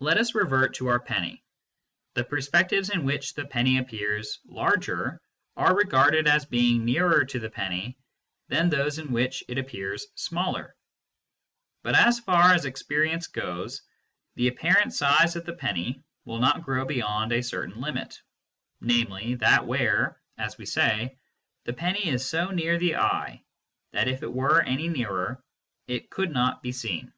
Let us revert to our penny : the perspectives in which the penny appears larger are regarded as being nearer to the penny than those in which it appears smaller, but as far as experience goes the apparent size of the penny will not grow beyond a certain limit, namely, that where (as we say) the penny is so near the eye that if it were any nearer it could not be seen.